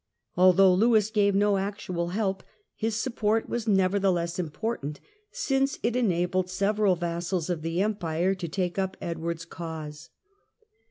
Although Lewis gave no actual help, his support was nevertheless important, since it enabled several vassals of the Empire to take up Edward's cause.